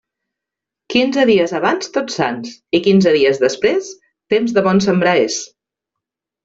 Quinze dies abans Tots Sants i quinze dies després, temps de bon sembrar és.